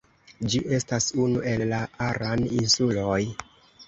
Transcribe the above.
Ĝi estas unu el la Aran-insuloj.